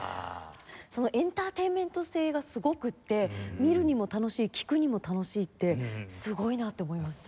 そのエンターテインメント性がすごくて見るにも楽しい聴くにも楽しいってすごいなと思いました。